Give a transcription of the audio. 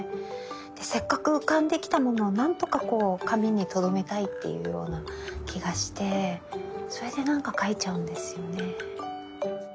せっかく浮かんできたものを何とか紙にとどめたいっていうような気がしてそれでなんか描いちゃうんですよね。